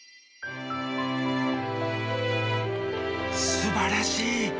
すばらしい。